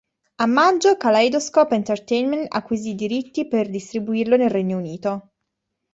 A maggio, Kaleidoscope Entertainment acquisì i diritti per distribuirlo nel Regno Unito.